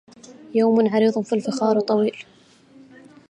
يوم عريض في الفخار طويل